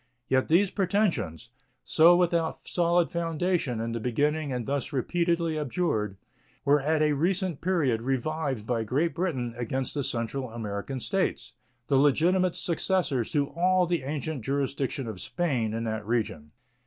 Yet these pretensions, so without solid foundation in the beginning and thus repeatedly abjured, were at a recent period revived by Great Britain against the Central American States, the legitimate successors to all the ancient jurisdiction of Spain in that region.